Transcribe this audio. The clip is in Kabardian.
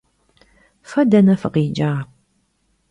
Fe dene fıkhiç'a?